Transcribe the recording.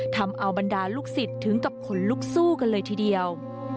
ทำเอาบรรดาลูกศิษย์ถึงกับขนลุกสู้กันเลยทีเดียว